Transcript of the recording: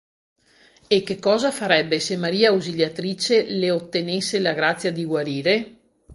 E che cosa farebbe se Maria Ausiliatrice le ottenesse la grazia di guarire?